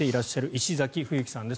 石崎冬貴さんです。